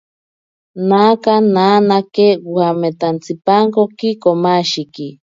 Naka nanake wametantsipankoki komashiki.